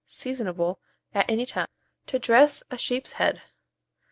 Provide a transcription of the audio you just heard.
Seasonable at any time. TO DRESS A SHEEP'S HEAD.